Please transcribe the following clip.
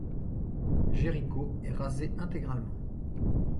Jéricho est rasée intégralement.